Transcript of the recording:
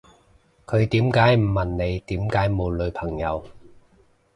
佢點解唔問你點解冇女朋友